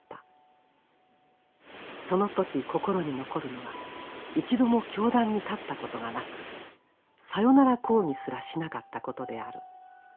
その時心に残るのは一度も教壇に立ったことがなく「さよなら講義」すらしなかったことである。